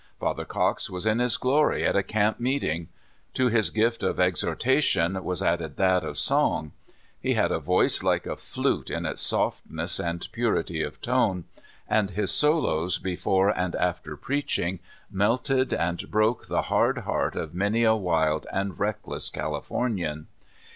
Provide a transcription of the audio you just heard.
Father Cox was in his glory at a camp meeting. To his gift of exhortation was added that of soug. He had a voice like a flute in its softness and pu rity of tone, and his solos before and after preach ing melted and broke the hard heart of many a wild and reckless Californian.